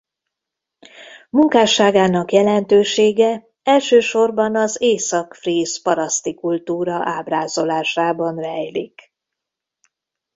Munkásságának jelentősége elsősorban az észak-fríz paraszti kultúra ábrázolásában rejlik.